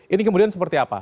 ini kemudian seperti apa